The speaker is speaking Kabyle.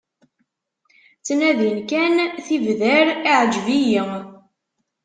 Ttnadin kan tibdar "iɛǧeb-iyi".